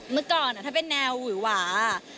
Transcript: เมื่อก่อนถ้าเป็นแนวหวือหวา